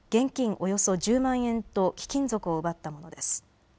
およそ１０万円と貴金属を奪ったものです。